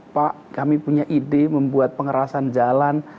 pak kami punya ide membuat pengerasan jalan